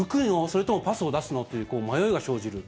それともパスを出すの？という迷いが生じる。